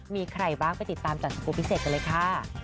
มีใครบ้างไปติดตามจากสกูลพิเศษกันเลยค่ะ